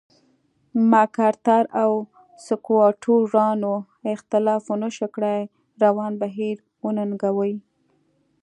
د مک ارتر او سکواټورانو اختلاف ونشو کړای روان بهیر وننګوي.